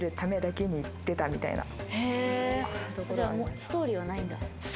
ストーリーはないんだ？